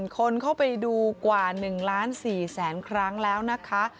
คนเข้าไปดูกว่า๑๔๐๐๐๐๐ครั้งแล้วนะคะ